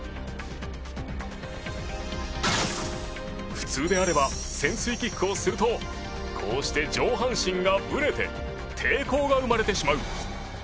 普通であれば潜水キックをするとこうして上半身がブレて抵抗が生まれてしまう。